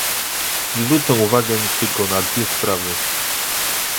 Zwrócę uwagę tylko na dwie sprawy